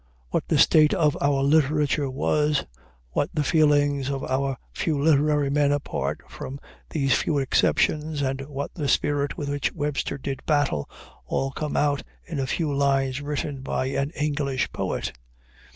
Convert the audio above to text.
What the state of our literature was, what the feelings of our few literary men apart from these few exceptions, and what the spirit with which Webster did battle, all come out in a few lines written by an English poet.